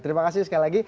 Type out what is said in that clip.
terima kasih sekali lagi